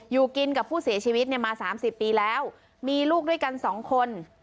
อยู่กินกับผู้เสียชีวิตเนี่ยมา๓๐ปีแล้วมีลูกด้วยกัน๒คน